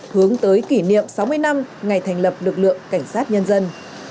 hướng tới kỷ niệm sáu mươi năm ngày thành lập lực lượng cảnh sát nhân dân